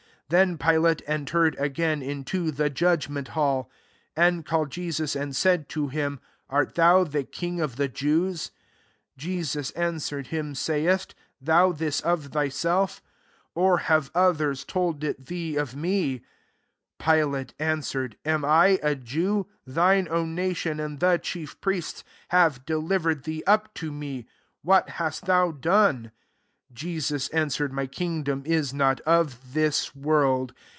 33 Then Pilate entered again into the judgment hall, and called Jesus, and said to him, " Art thou the king of the Jews ?" 34 Jesus answered [him], « Say est thou this of thyself; or have others told it thee of me?" 35 Pilate answered, "Am I a Jew ? Thine own nation, and the chief priests, have delivered thee up to me. What hast thou done?" 36 Jesus answered, "My kingdom is not of this world.